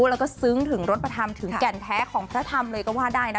แล้วก็ซึ้งถึงรถพระธรรมถึงแก่นแท้ของพระธรรมเลยก็ว่าได้นะ